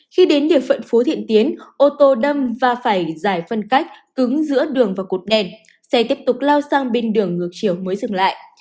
khi đến địa phận phú thiện tiến ô tô đâm và phải giải phân cách cứng giữa đường và cột đèn xe tiếp tục lao sang bên đường ngược chiều mới dừng lại